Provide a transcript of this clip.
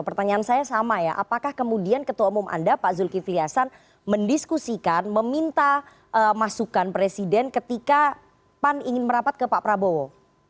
pertanyaan saya sama ya apakah kemudian ketua umum anda pak zulkifli hasan mendiskusikan meminta masukan presiden ketika pan ingin merapat ke pak prabowo